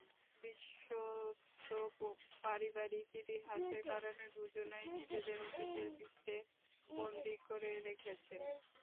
দৃশ্যত পারিবারিক ইতিহাসের কারণে দুজনই নিজেদের অতীতের বৃত্তে বন্দী করে রেখেছেন।